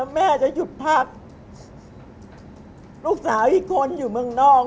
แม่จะหยุดภาพลูกสาวอีกคนอยู่เมืองนอก